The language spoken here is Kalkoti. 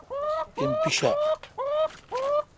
ایم پیݭا ۔